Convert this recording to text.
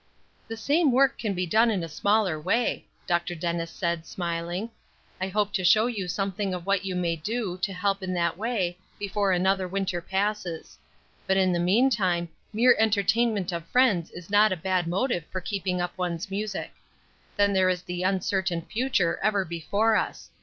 "The same work can be done in a smaller way," Dr. Dennis said, smiling. "I hope to show you something of what you may do to help in that way before another winter passes; but, in the meantime, mere entertainment of friends is not a bad motive for keeping up one's music. Then there is the uncertain future ever before us.